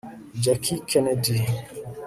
jackie kennedy